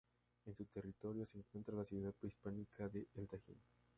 En su territorio se encuentra la ciudad prehispánica de El Tajín.